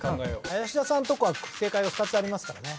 林田さんとこは正解が２つありますからね。